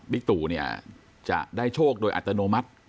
ตู่เนี่ยจะได้โชคโดยอัตโนมัติ